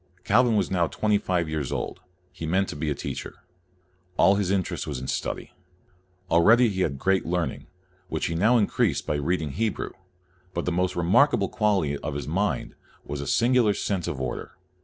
Calvin was now twenty five years old. He meant to be a teacher. All his interest was in study. Already he had great learning, which he now increased by read CALVIN 103 ing Hebrew, but the most remarkable quality of his mind was a singular sense of order.